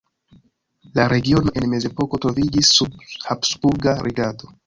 La regiono en mezepoko troviĝis sub habsburga regado.